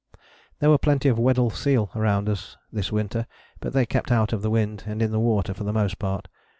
There were plenty of Weddell seal round us this winter, but they kept out of the wind and in the water for the most part.